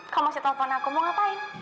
kalau masih telepon aku mau ngapain